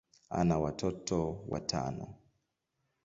ana watoto watano.